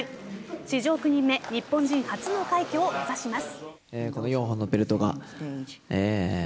史上９人目日本人初の快挙を目指します。